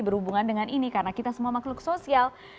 berhubungan dengan ini karena kita semua makhluk sosial